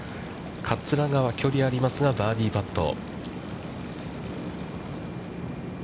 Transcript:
桂川、距離がありますが、バーディーパット。